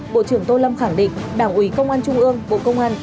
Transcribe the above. bộ trưởng tô lâm khẳng định đảng ủy công an trung ương bộ công an